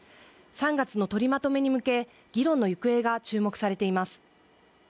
３月の取りまとめに向け議論の行方が注目されています